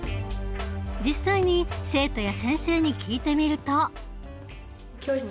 実際に生徒や先生に聞いてみると。